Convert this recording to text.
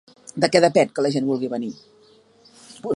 De què depèn que la gent vulgui venir?